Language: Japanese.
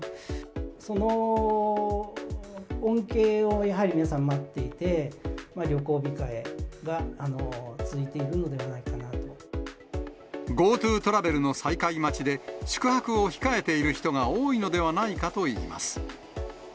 その恩恵をやはり皆さん待っていて、旅行控えが続いているのではＧｏＴｏトラベルの再開待ちで、宿泊を控えている人が多いのではないかといいます。